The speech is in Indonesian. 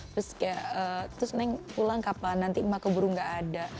terus kayak terus nenek pulang kapan nanti mbak keburu gak ada